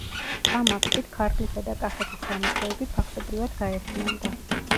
ამ აქტით ქართლისა და კახეთის სამეფოები ფაქტობრივად გაერთიანდა.